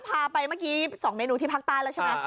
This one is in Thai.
พาไปเมื่อกี้๒เมนูที่ภาคใต้แล้วใช่ไหม